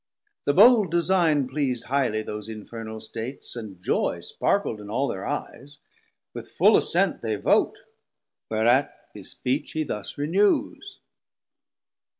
The bold design Pleas'd highly those infernal States, and joy Sparkl'd in all thir eyes; with full assent They vote: whereat his speech he thus renews.